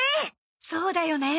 そうだよね。